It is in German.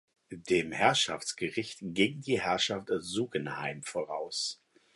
Dem Herrschaftsgericht ging die Herrschaft Sugenheim voraus.